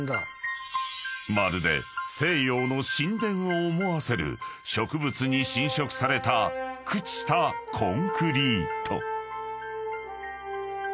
［まるで西洋の神殿を思わせる植物に侵食された朽ちたコンクリート］